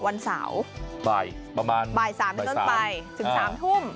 วันเสาร์บ่าย๓นถึง๓ทุ่ม